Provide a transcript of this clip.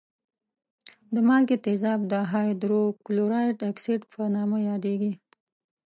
د مالګي تیزاب د هایدروکلوریک اسید په نامه یادېږي.